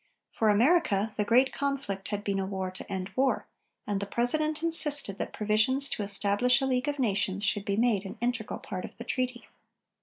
For America, the great conflict had been a war to end war, and the President insisted that provisions to establish a League of Nations should be made an integral part of the treaty.